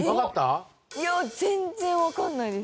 いや全然わからないです。